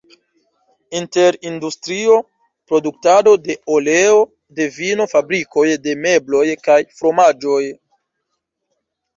Inter industrio, produktado de oleo, de vino, fabrikoj de mebloj kaj fromaĝoj.